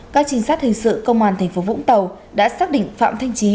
các trinh sát hình sự công an tp vũng tàu đã xác định phạm thanh trí